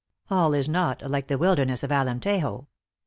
All is not like the O O wilderness of Alemtejo.